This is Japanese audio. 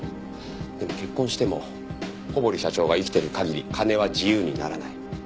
でも結婚しても小堀社長が生きてる限り金は自由にならない。